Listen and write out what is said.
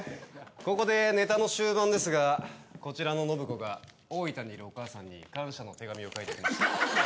ここでネタの終盤ですがこちらの信子が大分にいるお母さんに感謝の手紙を書いてきました。